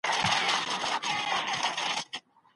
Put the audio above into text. لویه جرګه کله له ستونزو سره مخ کیږي؟